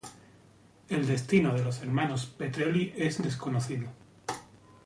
El destino de los hermanos Petrelli es desconocido.